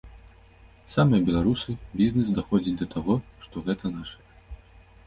Самыя беларусы, бізнэс даходзіць да таго, што гэта нашае.